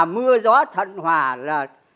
mưa gió thận hòa là